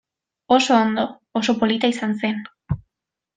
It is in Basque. Oso ondo, oso polita izan zen.